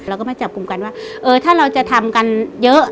เราก็มาจับกลุ่มกันว่าเออถ้าเราจะทำกันเยอะ